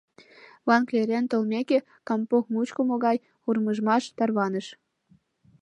Ван-Клерен толмеке, кампонг мучко могай урмыжмаш тарваныш!..